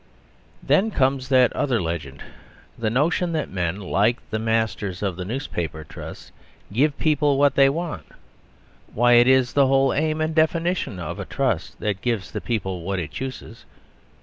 Then comes that other legend; the notion that men like the masters of the Newspaper Trusts "give the people what they want." Why, it is the whole aim and definition of a Trust that it gives the people what it chooses.